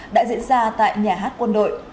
đã diễn ra tại nhà hát quân đội